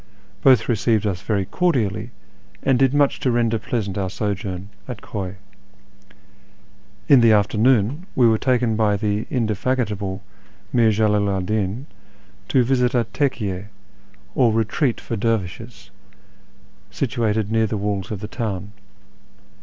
Both received us very cordially, and did much to render pleasant our sojourn at Khuy. In the afternoon we were taken by the indefatigable Mir Jalalu 'd Din to visit a tcky6, or retreat for dervishes, situated near the walls of the town.